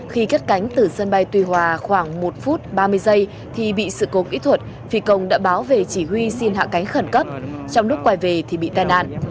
khi cất cánh từ sân bay tuy hòa khoảng một phút ba mươi giây thì bị sự cố kỹ thuật phi công đã báo về chỉ huy xin hạ cánh khẩn cấp trong lúc quay về thì bị tai nạn